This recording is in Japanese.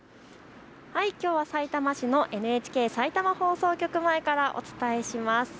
きょうはさいたま市のＮＨＫさいたま放送局前からお伝えします。